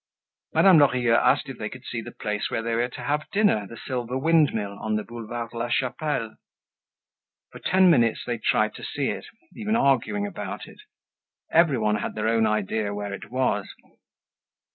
Madame Lorilleux asked if they could see the place where they were to have dinner, the Silver Windmill on the Boulevard de la Chapelle. For ten minutes they tried to see it, even arguing about it. Everyone had their own idea where it was.